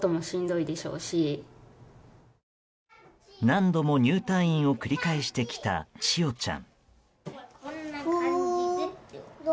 何度も入退院を繰り返してきた千与ちゃん。